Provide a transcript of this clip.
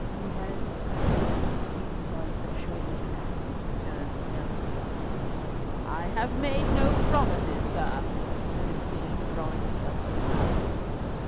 "Who has, I hope, pleaded more effectually than I," returned Bellievre. "I have made no promises, sir," said the Queen, drawing herself up proudly.